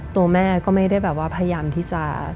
ตัวแม่ก็ไม่ได้แบบว่าพยายามที่จะ